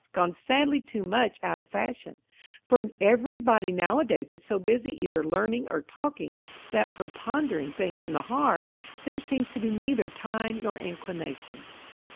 gone sadly too much out of fashion; for everybody now a days is so busy either learning or talking, that for "pondering things in the heart" there seems to be neither time nor inclination.